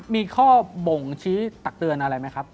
มีข้อบ่งชี้ตักเตือนอะไรไหมครับ